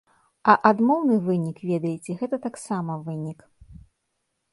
А адмоўны вынік, ведаеце, гэта таксама вынік.